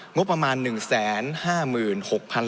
งบประมาณ๑๕๖๐๐บาท